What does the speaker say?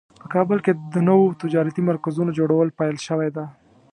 په کابل کې د نوو تجارتي مرکزونو جوړول پیل شوی ده